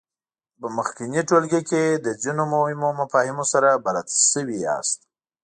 په مخکېني ټولګي کې له ځینو مهمو مفاهیمو سره بلد شوي یاست.